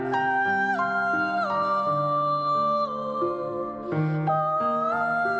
จะโมเพียงสิ่งที่ยินทั้งลา